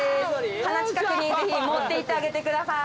鼻近くにぜひ持っていってあげてください。